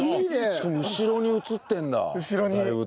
しかも後ろに写ってるんだ大仏。